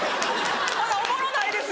・ほなおもろないです